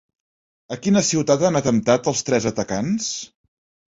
A quina ciutat han atemptat els tres atacants?